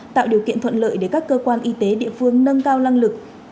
tạo điều kiện thuận lợi để các cơ quan y tế địa phương nâng cao năng lực